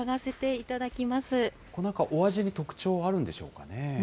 なんかお味に特徴あるんでしょうかね。